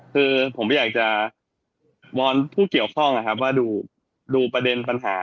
คือผมอยากจะวอนผู้เกี่ยวข้องดูประเด็นปัญหา